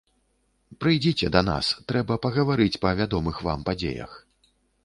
Прыйдзіце да нас, трэба пагаварыць па вядомых вам падзеях.